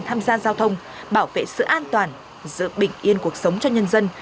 tham gia giao thông bảo vệ sự an toàn giữ bình yên cuộc sống cho nhân dân